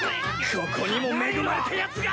ここにも恵まれたやつが！